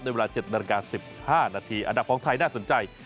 เวลา๗นาฬิกา๑๕นาทีอันดับของไทยน่าสนใจ